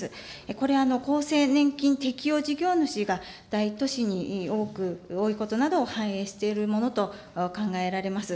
これ、厚生年金適用事業主が大都市に多く、多いことなどを反映しているものと考えられます。